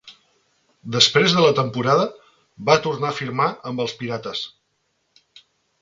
Després de la temporada, va tornar a firmar amb els pirates.